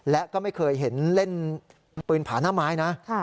และก็ไม่เคยเห็นเล่นปืนผาหน้าไม้นะ